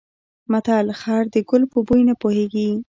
متل: خر د ګل په بوی نه پوهېږي.